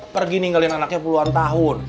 pergi ninggalin anaknya puluhan tahun